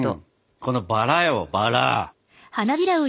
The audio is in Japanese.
このバラよバラ。